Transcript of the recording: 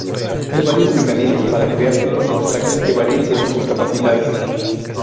Hay varios mecanismos para crear tipos abstractos, que varían según sus capacidades.